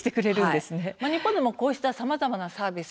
日本でも、こうしたさまざまなサービス